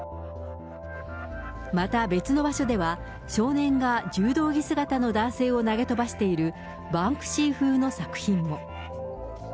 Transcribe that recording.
また別の場所では、少年が柔道着姿の男性を投げ飛ばしているバンクシー風の作品も。